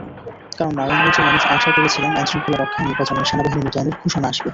কারণ, নারায়ণগঞ্জের মানুষ আশা করেছিলেন আইনশৃঙ্খলা রক্ষায় নির্বাচনে সেনাবাহিনী মোতায়েনের ঘোষণা আসবে।